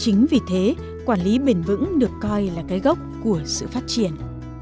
chính vì thế quản lý bền vững được coi là cái gốc của sự phát triển